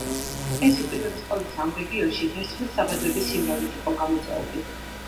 ეს უპირველეს ყოვლისა ამ რეგიონში ვერცხლის საბადოების სიმრავლით იყო გამოწვეული.